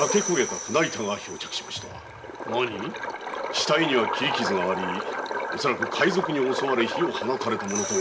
死体には斬り傷があり海賊に襲われ火を放たれたものと。